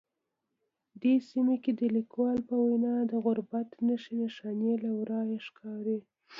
دې سیمه کې د لیکوال په وینا د غربت نښې نښانې له ورایه ښکاري